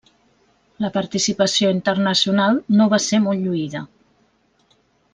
La participació internacional no va ser molt lluïda.